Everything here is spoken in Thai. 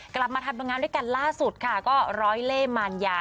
กลับมาทำบางงานด้วยกันล่าสุดค่ะก็ร้อยเล่มารยา